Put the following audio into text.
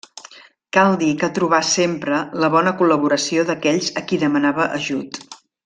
Cal dir que trobà sempre la bona col·laboració d'aquells a qui demanava ajut.